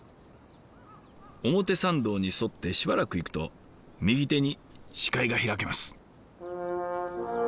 表参道に沿ってしばらく行くと右手に視界が開けます。